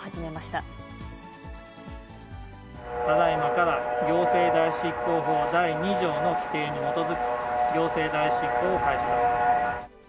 ただいまから行政代執行法第２条の規定に基づき、強制代執行を開始します。